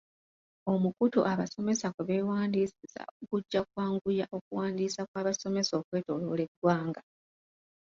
Omukutu abasomesa kwe beewandiisiza gujja kwanguya okwewandiisa kw'abasomesa okwetooloola eggwanga.